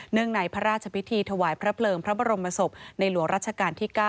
ในพระราชพิธีถวายพระเพลิงพระบรมศพในหลวงรัชกาลที่๙